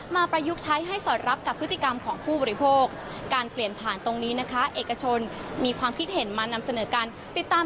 มาประยุกต์ใช้ให้สอดรับกับพฤติกรรมของผู้บริโภคการเปลี่ยนผ่านตรงนี้นะคะเอกชนมีความคิดเห็นมานำเสนอกันติดตาม